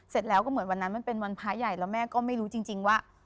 เสร็จแล้วก็เหมือนวันนั้นมันเป็นวันพระใหญ่แล้วแม่ก็ไม่รู้จริงว่า